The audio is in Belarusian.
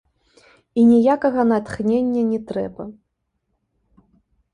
І ніякага натхнення не трэба.